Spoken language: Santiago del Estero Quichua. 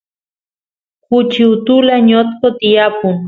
kuchi utula ñotqo tiyapun